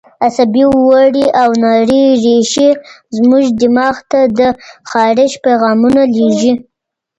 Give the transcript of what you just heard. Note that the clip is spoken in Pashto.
عصبي وړې او نرۍ رېښې زموږ دماغ ته د خارښ پیغامونه لېږي.